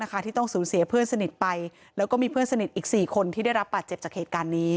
ที่ต้องสูญเสียเพื่อนสนิทไปแล้วก็มีเพื่อนสนิทอีก๔คนที่ได้รับบาดเจ็บจากเหตุการณ์นี้